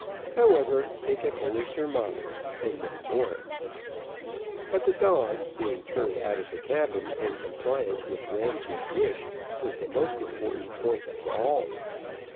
However, they could only surmise, and no more. But the dog being turned out of the cabin in compliance with Ramsay's wish, was the most important point of all.